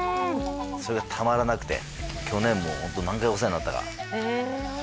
それがたまらなくて去年もホント何回お世話になったかへえ